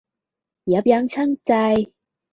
ยับยั้งชั่งใจ